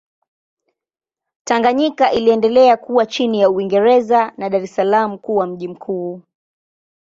Tanganyika iliendelea kuwa chini ya Uingereza na Dar es Salaam kuwa mji mkuu.